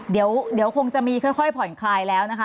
เดี๋ยวคงจะมีค่อยผ่อนคลายแล้วนะคะ